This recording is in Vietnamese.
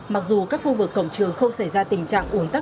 mặc dù các khu vực cổng trường không xảy ra tình trạng ủn tắc